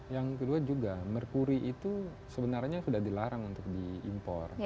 yang kedua juga merkuri itu sebenarnya sudah dilarang untuk diimpor